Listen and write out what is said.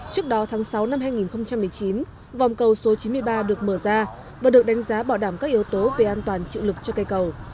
trước đó tháng sáu năm hai nghìn một mươi chín vòng cầu số chín mươi ba được mở ra và được đánh giá bảo đảm các yếu tố về an toàn chịu lực cho cây cầu